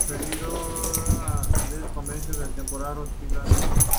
El suceso referido redundó en beneficio de la conservación del templo hospitalario.